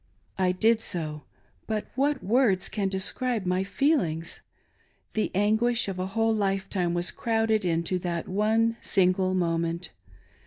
I did so ; but what words can describe my feelings ! The anguish of a whole lifetime was crowded into that one single moment.